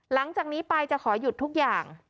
หลังจากนี้ไปจะขอหยุดทุกอย่าง